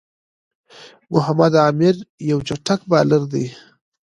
محمد عامِر یو چټک بالر دئ.